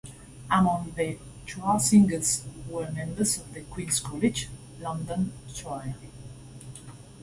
Among the choir singers were members of the Queen's College, London choir.